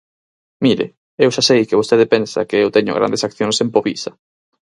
Mire, eu xa sei que vostede pensa que eu teño grandes accións en Povisa.